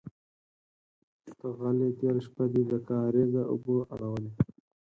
_ته غل يې، تېره شپه دې د کارېزه اوبه اړولې.